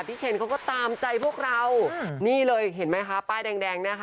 เคนเขาก็ตามใจพวกเรานี่เลยเห็นไหมคะป้ายแดงแดงนะคะ